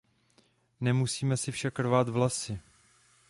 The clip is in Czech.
Nemusíme si však rvát vlasy.